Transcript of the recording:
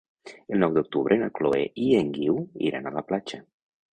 El nou d'octubre na Chloé i en Guiu iran a la platja.